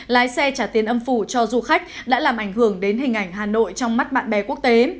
lái xe trả tiền âm phủ cho du khách đã làm ảnh hưởng đến hình ảnh hà nội trong mắt bạn bè quốc tế